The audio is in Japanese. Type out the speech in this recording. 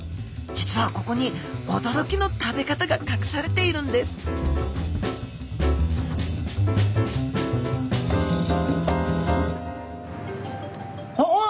実はここに驚きの食べ方がかくされているんです・おおっ！